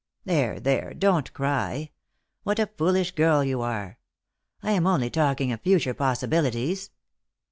There, there, don't cry. What a foolish girl you are ! I am only talking of future possibilities."